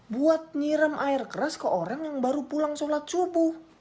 buat nyiram air keras ke orang yang baru pulang sholat subuh